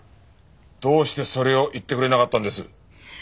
どうしてそれを言ってくれなかったんです。